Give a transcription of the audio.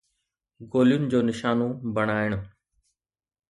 گولين جو نشانو بڻائڻ